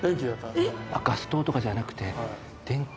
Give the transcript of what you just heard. ガス灯とかじゃなくて電気。